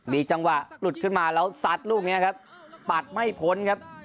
มีจังหวะหลุดขึ้นมาแล้วซัดลูกนี้ครับปัดไม่พ้นครับ